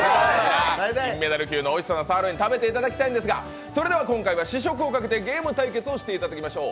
金メダル級のサーロイン、食べていただきたいんですがそれでは今回は試食をかけてゲーム対決をしていただきましょう。